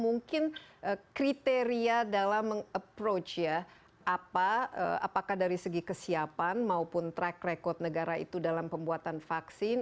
mungkin kriteria dalam meng approach ya apakah dari segi kesiapan maupun track record negara itu dalam pembuatan vaksin